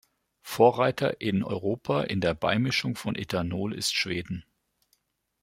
Vorreiter in Europa in der Beimischung von Ethanol ist Schweden.